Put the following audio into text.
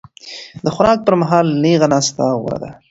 د خوراک پر مهال نېغه ناسته غوره ده.